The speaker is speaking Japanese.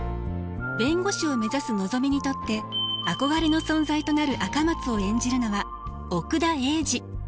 弁護士を目指すのぞみにとって憧れの存在となる赤松を演じるのは奥田瑛二。